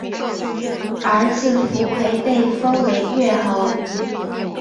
儿子苻馗被封为越侯。